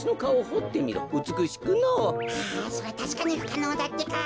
あそれはたしかにふかのうだってか。